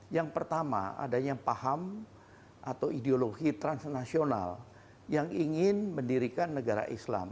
yang pertama adanya paham atau ideologi transnasional yang ingin mendirikan negara islam